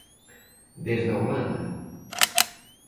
Desde a Holanda!